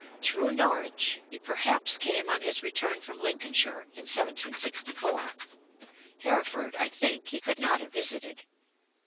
Through Norwich he perhaps came on his return from Lincolnshire in 1764 (ante, i. 476). Hereford, I think, he could not have visited.